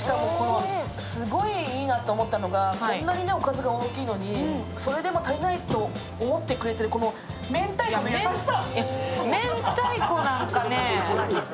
すごいいいなって思ったのが、こんなにおかずが大きいのにそれでも足りないと思ってくれている、このめんたいこの優しさ。